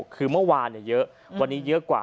คือเมื่อวานเยอะวันนี้เยอะกว่า